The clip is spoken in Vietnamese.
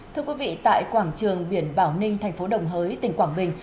thưa quý vị tại quảng trường biển bảo ninh thành phố đồng hới tỉnh quảng bình